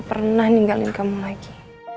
pernah ninggalin kamu lagi